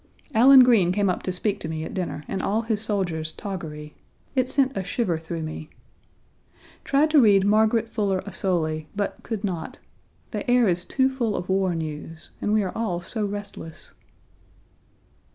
Allen Green came up to speak to me at dinner in all his soldier's toggery. It sent a shiver through me. Tried to read Margaret Fuller Ossoli, but could not. The air is too full of war news, and we are all so restless.